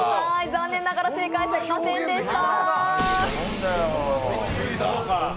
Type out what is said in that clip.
残念ながら正解者いませんでした。